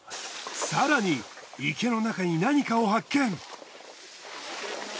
更に池の中に何かを発見。